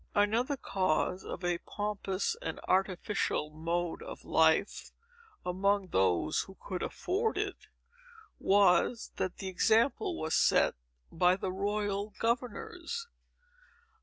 Another cause of a pompous and artificial mode of life, among those who could afford it, was, that the example was set by the royal governors.